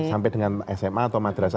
sampai dengan sma atau madrasah